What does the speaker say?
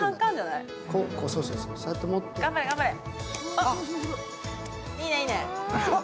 あ、いいね、いいね。